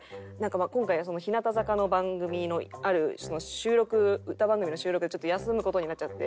今回日向坂の番組のある収録歌番組の収録をちょっと休む事になっちゃって。